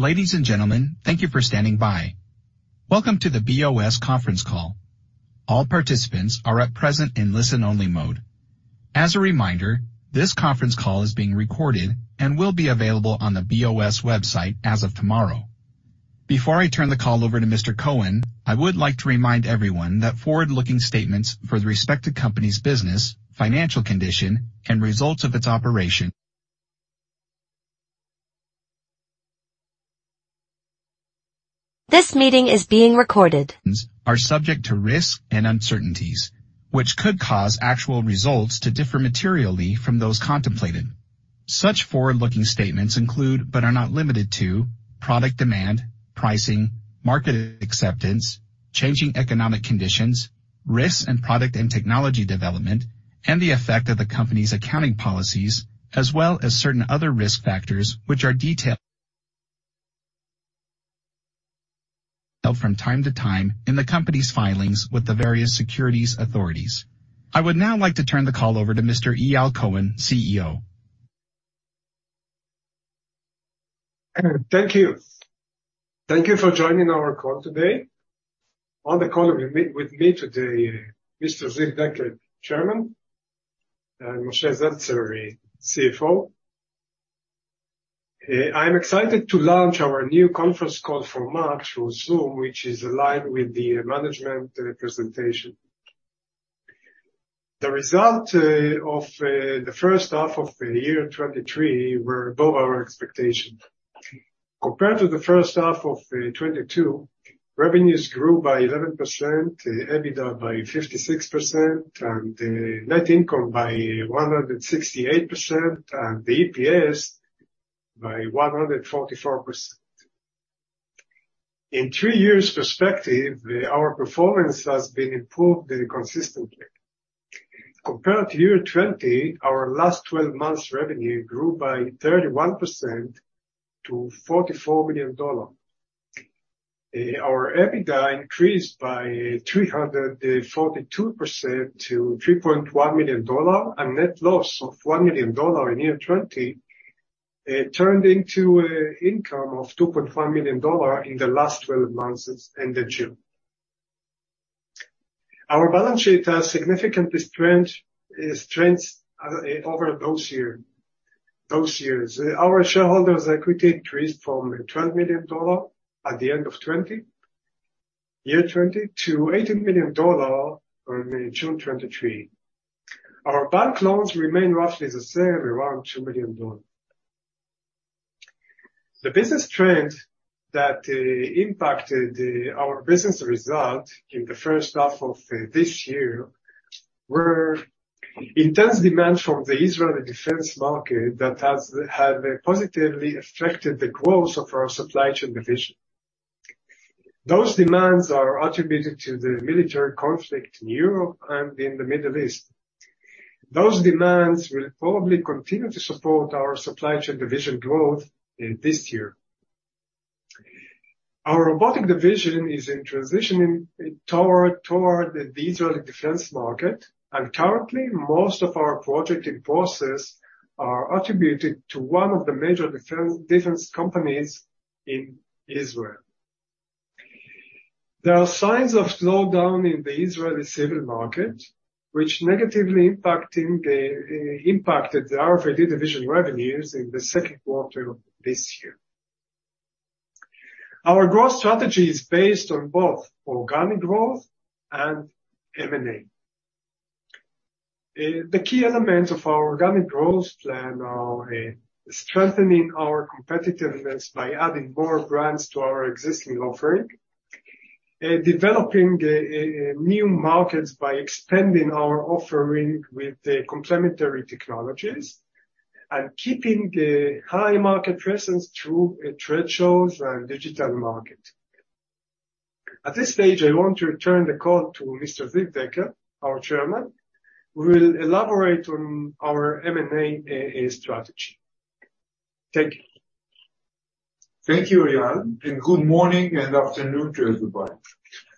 Ladies and gentlemen, thank you for standing by. Welcome to the B.O.S. conference call. All participants are at present in listen-only mode. As a reminder, this conference call is being recorded and will be available on the B.O.S. website as of tomorrow. Before I turn the call over to Mr. Cohen, I would like to remind everyone that forward-looking statements for the respected company's business, financial condition, and results of its operation. This meeting is being recorded. Are subject to risks and uncertainties, which could cause actual results to differ materially from those contemplated. Such forward-looking statements include, but are not limited to product demand, pricing, market acceptance, changing economic conditions, risks and product and technology development, and the effect of the company's accounting policies, as well as certain other risk factors, which are detailed from time to time in the company's filings with the various securities authorities. I would now like to turn the call over to Mr. Eyal Cohen, CEO. Thank you. Thank you for joining our call today. On the call with me, with me today, Mr. Ziv Dekel, Chairman, and Moshe Zeltser, CFO. I'm excited to launch our new conference call format through Zoom, which is aligned with the management presentation. The result of the first half of the year 2023 were above our expectation. Compared to the first half of 2022, revenues grew by 11%, EBITDA by 56%, and net income by 168%, and the EPS by 144%. In 3 years perspective, our performance has been improved consistently. Compared to year 2020, our last 12 months revenue grew by 31% to $44 million. Our EBITDA increased by 342% to $3.1 million, and net loss of $1 million in year 20 turned into income of $2.1 million in the last 12 months ended June. Our balance sheet has significantly strengths over those years. Our shareholders' equity increased from $12 million at the end of 20, year 20, to $18 million on June 23. Our bank loans remain roughly the same, around $2 million. The business trends that impacted our business results in the first half of this year were intense demand from the Israeli defense market that have positively affected the growth of our Supply Chain Division. Those demands are attributed to the military conflict in Europe and in the Middle East. Those demands will probably continue to support our Supply Chain Division growth in this year. Our Robotics Division is in transitioning toward the Israeli defense market, and currently, most of our project in process are attributed to one of the major defense companies in Israel. There are signs of slowdown in the Israeli civil market, which negatively impacted our division revenues in the second quarter of this year. Our growth strategy is based on both organic growth and M&A. The key elements of our organic growth plan are strengthening our competitiveness by adding more brands to our existing offering, developing new markets by extending our offering with the complementary technologies, and keeping a high market presence through trade shows and digital marketing. At this stage, I want to turn the call to Mr. Ziv Dekel, our Chairman, who will elaborate on our M&A strategy. Thank you. Thank you, Eyal, and good morning and afternoon to everybody.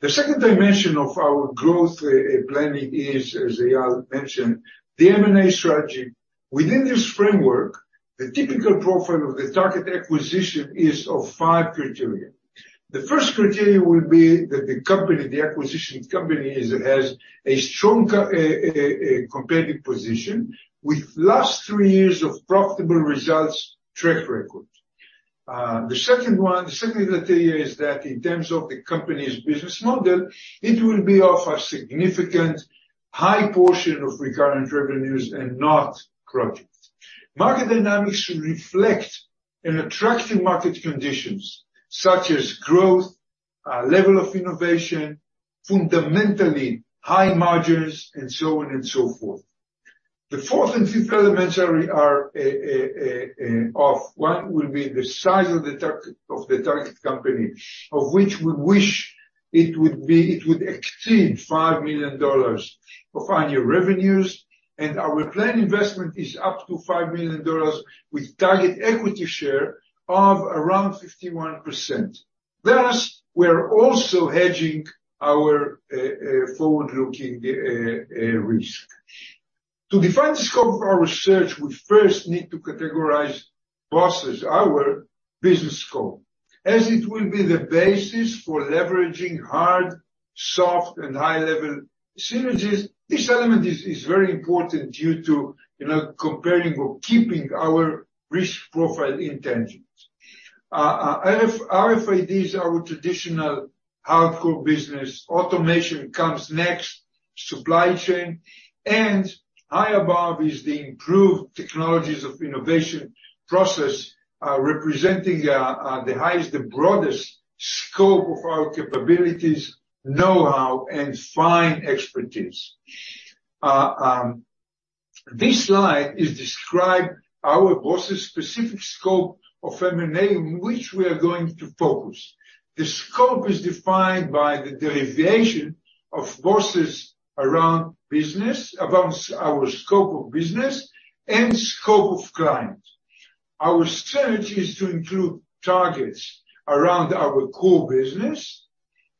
The second dimension of our growth, planning is, as Eyal mentioned, the M&A strategy. Within this framework, the typical profile of the target acquisition is of five criteria. The first criteria will be that the company, the acquisition company, is, has a strong competitive position with last three years of profitable results track record. The second one, the second criteria is that in terms of the company's business model, it will be of a significant high portion of recurrent revenues and not projects. Market dynamics should reflect an attractive market conditions such as growth, level of innovation, fundamentally high margins, and so on and so forth. The fourth and fifth elements are, one will be the size of the target, of the target company, of which we wish it would be, it would exceed $5 million of annual revenues, and our planned investment is up to $5 million, with target equity share of around 51%. Thus, we're also hedging our forward-looking risk... To define the scope of our research, we first need to categorize BOS, our business scope, as it will be the basis for leveraging hard, soft, and high-level synergies. This element is very important due to, you know, comparing or keeping our risk profile intentions. RF, RFIDs are our traditional hardcore business. Automation comes next, supply chain, and higher above is the improved technologies of innovation process, representing the highest, the broadest scope of our capabilities, know-how, and fine expertise. This slide is describe our BOS's specific scope of M&A, in which we are going to focus. The scope is defined by the derivation of BOS around business, around our scope of business and scope of client. Our strategy is to include targets around our core business.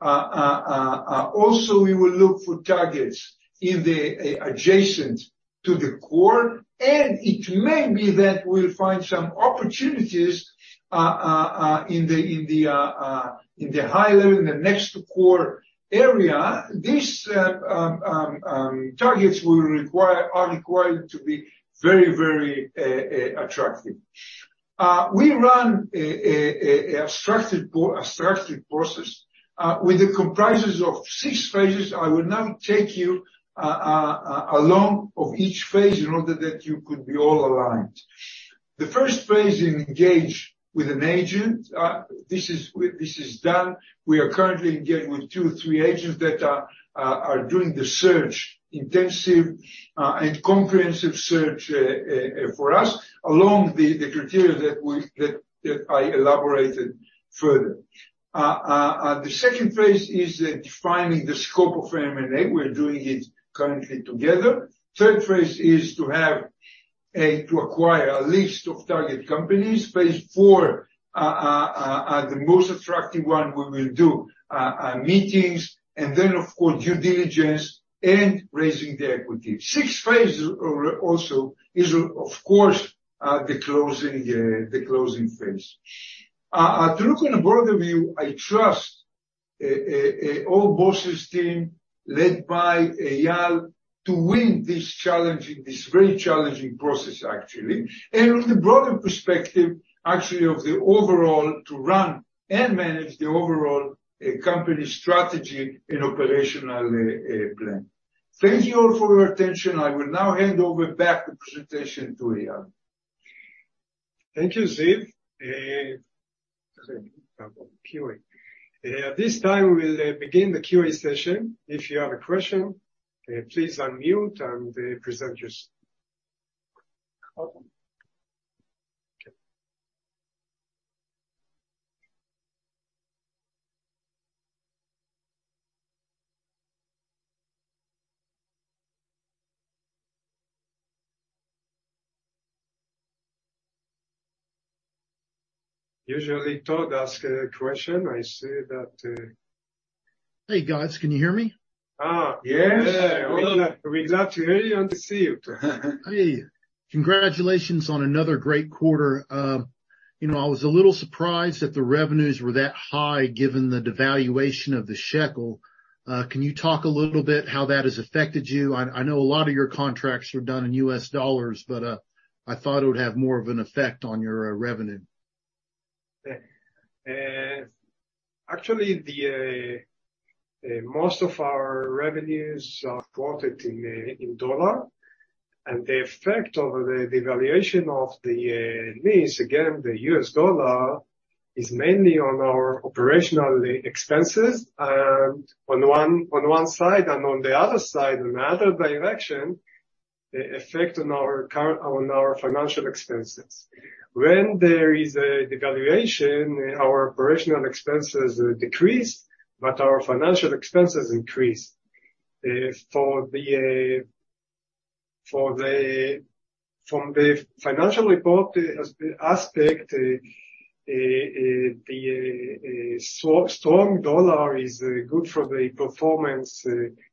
Also, we will look for targets in the adjacent to the core, and it may be that we'll find some opportunities in the, in the, in the higher level, in the next core area. These targets will require, are required to be very, very attractive. We run a structured process with the comprises of 6 phases. I will now take you along of each phase in order that you could be all aligned. The first phase, engage with an agent. This is, this is done. We are currently engaged with 2, 3 agents that are doing the search, intensive, and comprehensive search for us, along the criteria that we, that, that I elaborated further. The second phase is defining the scope of M&A. We're doing it currently together. Third phase is to have to acquire a list of target companies. Phase 4 are the most attractive one. We will do meetings, and then, of course, due diligence and raising the equity. Sixth phase, also is, of course, the closing, the closing phase. To look on a broader view, I trust all BOS team, led by Eyal, to win this challenging, this very challenging process, actually, and on the broader perspective, actually, of the overall to run and manage the overall company strategy and operational plan. Thank you all for your attention. I will now hand over back the presentation to Eyal. Thank you, Ziv. Q&A. At this time, we'll begin the Q&A session. If you have a question, please unmute and present your question. Okay. Usually, Todd ask a question. I see that. Hey, guys, can you hear me? Ah, yes. Yeah. We're glad to hear you and to see you. Hey, congratulations on another great quarter. You know, I was a little surprised that the revenues were that high, given the devaluation of the shekel. Can you talk a little bit how that has affected you? I, I know a lot of your contracts are done in US dollars, but I thought it would have more of an effect on your revenue. Actually, most of our revenues are quoted in dollar, and the effect of the devaluation of the NIS, again, the US dollar, is mainly on our operational expenses, on one side, and on the other side, another direction, the effect on our current, on our financial expenses. When there is a devaluation, our operational expenses decrease, but our financial expenses increase. For the, from the financial report aspect, the strong dollar is good for the performance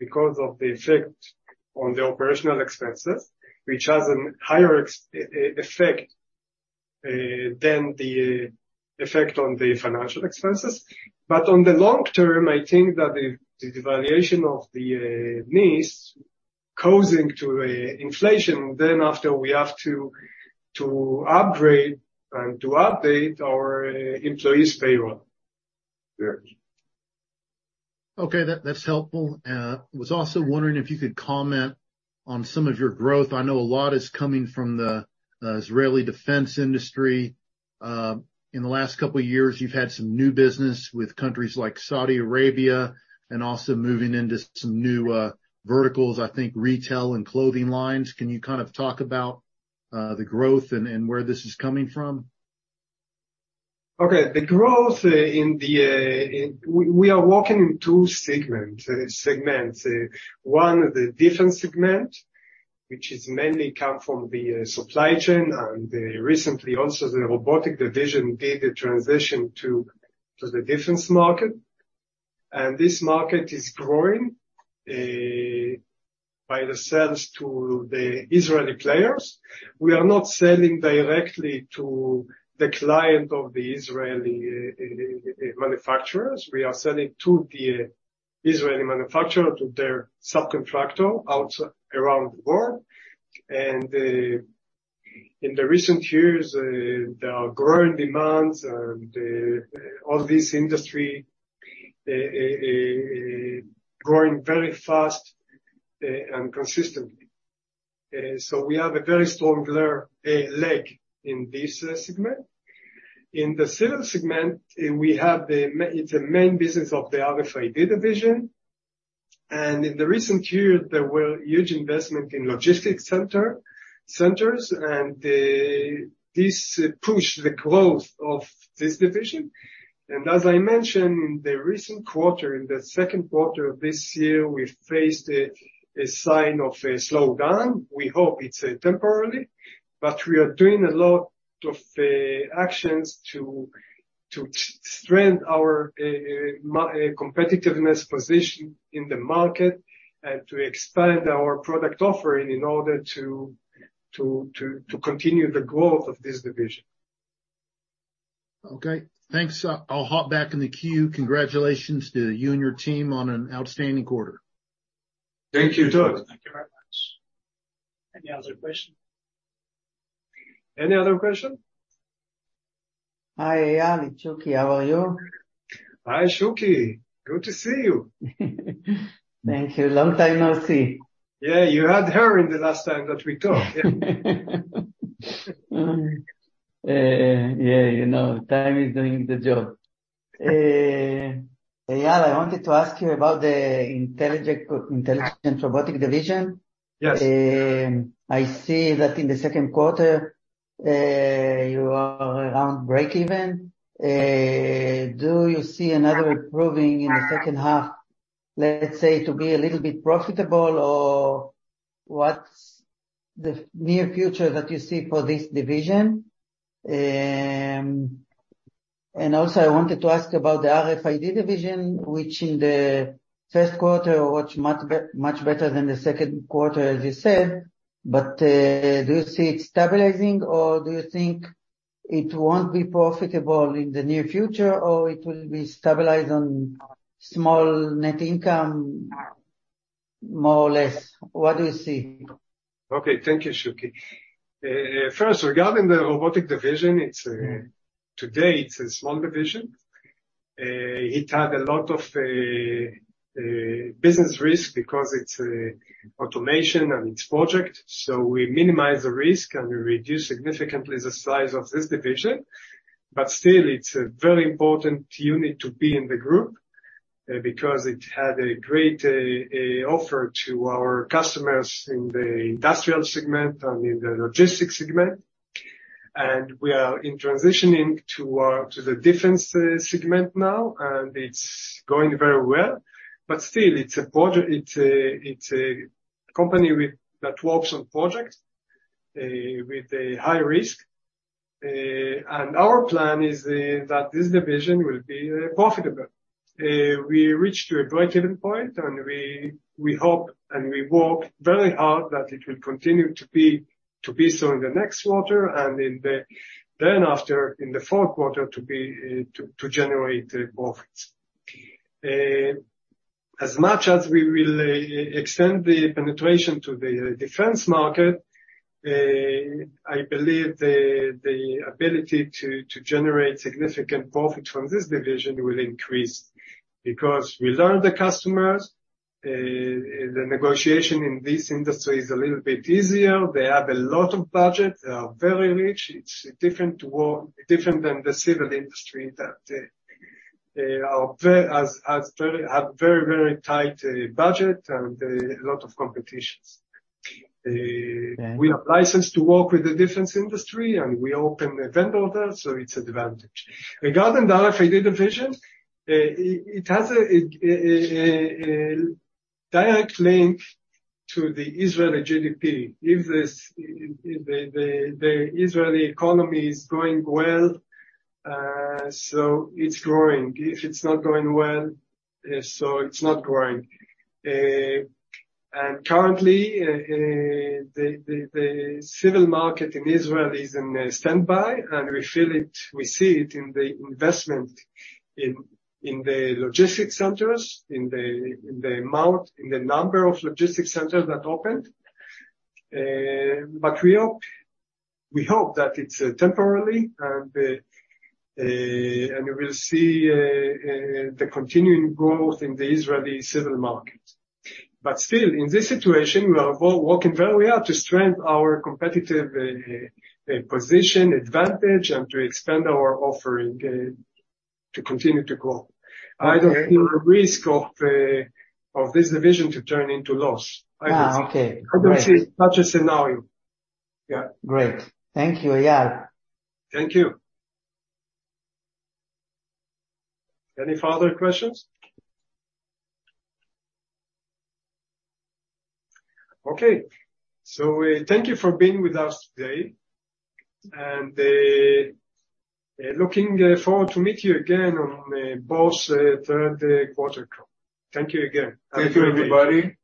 because of the effect on the operational expenses, which has a higher effect than the effect on the financial expenses. On the long term, I think that the devaluation of the NIS causing to a inflation, then after we have to upgrade and to update our employees' payroll. Yeah. Okay, that, that's helpful. Was also wondering if you could comment on some of your growth. I know a lot is coming from the Israeli defense industry. In the last couple of years, you've had some new business with countries like Saudi Arabia and also moving into some new verticals, I think, retail and clothing lines. Can you kind of talk about the growth and where this is coming from? Okay. The growth in the. We are working in two segments. One, the different segment, which is mainly come from the supply chain, recently, also the Robotics Division did the transition to the defense market. This market is growing by the sales to the Israeli players. We are not selling directly to the client of the Israeli manufacturers. We are selling to the Israeli manufacturer, to their subcontractor out, around the world. In the recent years, there are growing demands. All this industry growing very fast and consistently. We have a very strong player leg in this segment. In the civil segment, we have the it's the main business of the RFID ivision. In the recent years, there were huge investment in logistics center, centers, this pushed the growth of this division. As I mentioned, in the recent quarter, in the second quarter of this year, we faced a sign of a slowdown. We hope it's temporarily. We are doing a lot of actions to strengthen our competitiveness position in the market and to expand our product offering in order to continue the growth of this division. Okay. Thanks. I'll hop back in the queue. Congratulations to you and your team on an outstanding quarter. Thank you, Todd. Thank you very much. Any other question? Any other question? Hi, Eyal, it's Shuki. How are you? Hi, Shuki. Good to see you. Thank you. Long time no see. Yeah. You had hair in the last time that we talked. Yeah, you know, time is doing the job. Eyal, I wanted to ask you about the intelligent Robotics Division. Yes. I see that in the second quarter, you are around breakeven. Do you see another improving in the second half, let's say, to be a little bit profitable, or what's the near future that you see for this division? I wanted to ask about the RFID division, which in the first quarter was much better than the second quarter, as you said. Do you see it stabilizing, or do you think it won't be profitable in the near future, or it will be stabilized on small net income, more or less? What do you see? Okay. Thank you, Shuki. First, regarding the Robotics Division, it's today, it's a small division. It had a lot of business risk because it's automation and it's project, so we minimize the risk, and we reduce significantly the size of this division. Still, it's a very important unit to be in the group, because it had a great offer to our customers in the industrial segment and in the logistics segment. We are in transitioning to the defense segment now, and it's going very well. Still, it's a project, it's a, it's a company with that works on project with a high risk, and our plan is that this division will be profitable. We reached to a breakeven point, and we, we hope, and we work very hard, that it will continue to be so in the next quarter, and in the then after, in the fourth quarter, to generate profits. As much as we will extend the penetration to the defense market, I believe the ability to generate significant profit from this division will increase because we learn the customers. The negotiation in this industry is a little bit easier. They have a lot of budget. They are very rich. It's different world, different than the civil industry, that they are very, very tight budget and a lot of competitions. Yeah. We are licensed to work with the defense industry, and we open a vendor there, so it's advantage. Regarding the RFID division, it has a direct link to the Israeli GDP. If the Israeli economy is going well, it's growing. If it's not going well, it's not growing. Currently, the civil market in Israel is in a standby, and we feel it. We see it in the investment in the logistics centers, in the amount, in the number of logistics centers that opened. We hope that it's temporarily and we will see the continuing growth in the Israeli civil market. Still, in this situation, we are working very hard to strengthen our competitive position, advantage, and to expand our offering to continue to grow. I don't see the risk of this division to turn into loss. Okay. I don't see much a scenario. Yeah. Great. Thank you, Eyal. Thank you. Any further questions? Okay. Thank you for being with us today, and looking forward to meet you again on both third quarter call. Thank you again. Thank you, everybody.